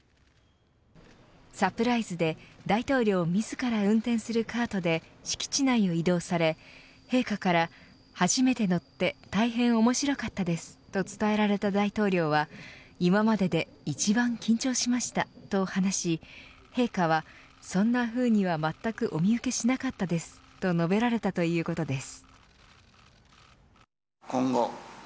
サプライズで大統領自ら運転するカートで敷地内を移動され陛下から初めて乗って大変面白かったですと伝えられた大統領は今までで一番緊張しましたと話し陛下は、そんなふうにはまったくお見受けしなかったですと述べられたということです。